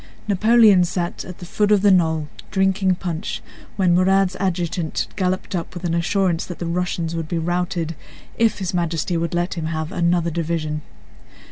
Napoleon sat at the foot of the knoll, drinking punch, when Murat's adjutant galloped up with an assurance that the Russians would be routed if His Majesty would let him have another division.